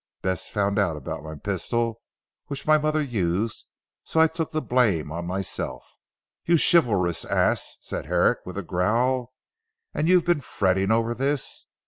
Bess found out about my pistol which my mother used, so I took the blame on myself." "You chivalrous ass!" said Herrick with a growl, "and you've been fretting over this?